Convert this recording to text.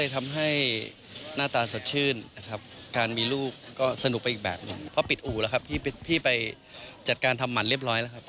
ทำหมั่นชายเรียบร้อยแล้วครับ